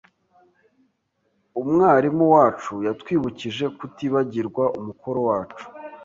Umwarimu wacu yatwibukije kutibagirwa umukoro wacu.